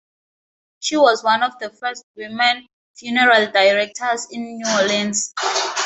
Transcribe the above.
She was one of the first women funeral directors in New Orleans.